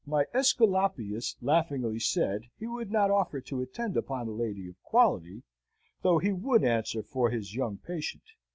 My Aesculapius laughingly said, he would not offer to attend upon a lady of quality, though he would answer for his young patient.